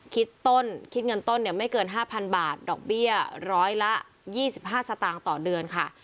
คิดเงินต้นไม่เกิน๕๐๐๐บาทดอกเบี้ย๑๒๕สตางค์ค่ะ